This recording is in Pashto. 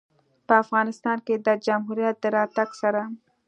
په افغانستان کې د جمهوریت د راتګ سره